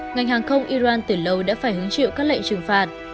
ngành hàng không iran từ lâu đã phải hứng chịu các lệnh trừng phạt